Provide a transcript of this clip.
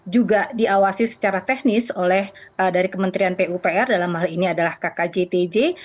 juga diawasi secara teknis oleh dari kementerian pupr dalam hal ini adalah kkjtj